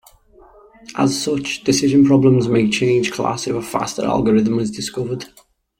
As such, decision problems may change class if a faster algorithm is discovered.